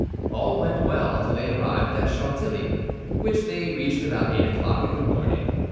All went well till they arrived at Chantilly, which they reached about eight o'clock in the morning.